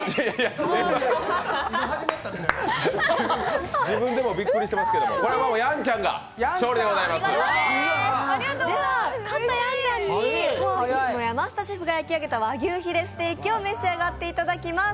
勝ったやんちゃんに、山下シェフの焼き上げた和牛ヒレステーキを召し上がっていただきます。